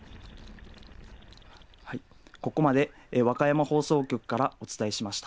ここまで和歌山放送局からお伝えしました。